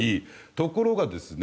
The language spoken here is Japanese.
ところがですね